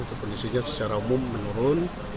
kondisinya secara umum menurun